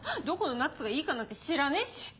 どこのナッツがいいかなんて知らねえし！